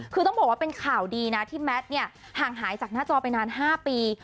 คือต้องบอกว่าเป็นข่าวดีนะที่แมทเนี่ยห่างหายจากหน้าจอไปนาน๕ปี